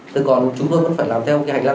thì cũng hết sức thẳng thắn